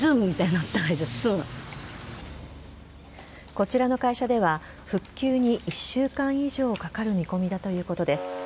こちらの会社では復旧に１週間以上かかる見込みだということです。